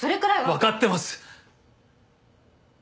分かってます。